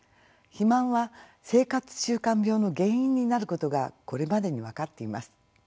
肥満は生活習慣病の原因になることがこれまでに分かっています。